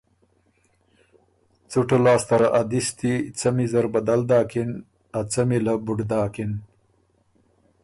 څُټه لاسته ره ا دِستی څمی زر بدل داکِن ا څمی له بُډ داکِن۔